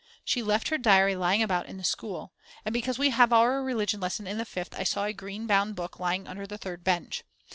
She left her diary lying about in the school; and because we have our religion lesson in the Fifth I saw a green bound book lying under the third bench.